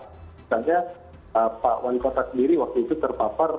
misalnya pak wali kota sendiri waktu itu terpapar